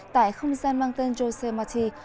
tại không gian mang tên josé martín